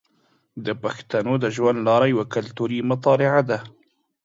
د پښتنو د ژوند لاره یوه کلتوري مطالعه ده.